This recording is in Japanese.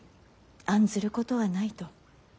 案ずることはないと。